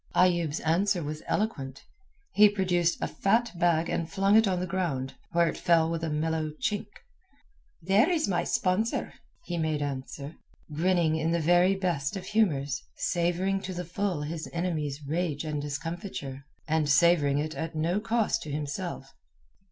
Ayoub's answer was eloquent; he produced a fat bag and flung it on the ground, where it fell with a mellow chink. "There is my sponsor," he made answer, grinning in the very best of humours, savouring to the full his enemy's rage and discomfiture, and savouring it at no cost to himself.